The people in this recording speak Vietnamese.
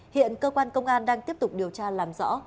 hiện cơ quan công an đang tiếp tục điều tra làm rõ